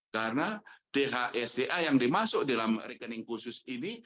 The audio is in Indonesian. karena dhe sda yang dimasukkan di rekening khusus ini